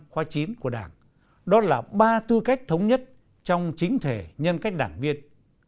khóa chín của đảng đó là ba tư cách thống nhất trong chính thể nhân cách đảng viên